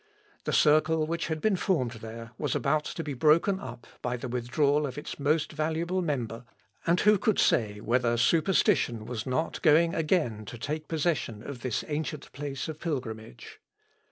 The circle which had been formed there was about to be broken up by the withdrawal of its most valuable member, and who could say whether superstition was not going again to take possession of this ancient place of pilgrimage?...